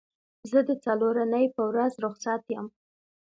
زه د څلورنۍ په ورځ روخصت یم